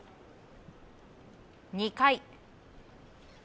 ２回。